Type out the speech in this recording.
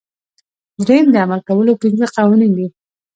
دریم د عمل کولو پنځه قوانین دي.